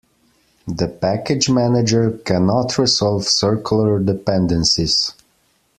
The package manager cannot resolve circular dependencies.